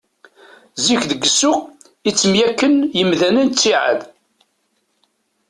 Zik, deg ssuq i ttemyakken yimdanen ttiɛad.